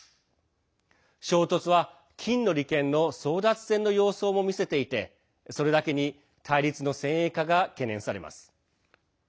衝突は、金の利権の争奪戦の様相もみせていてそれだけに対立の先鋭化が懸念されます。